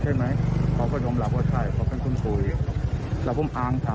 ใช่ไหมเขาก็ยอมรับว่าใช่เขาเป็นคนคุยแล้วผมอ่านข่าว